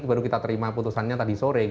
baru kita terima putusannya tadi sore